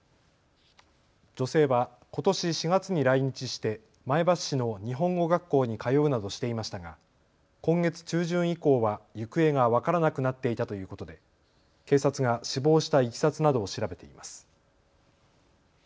女性はことし４月に来日して前橋市の日本語学校に通うなどしていましたが今月中旬以降は行方が分からなくなっていたということで警察が死亡したいきさつなどを調べています。